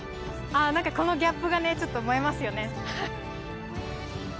なんかこのギャップがねちょっと萌えますよね。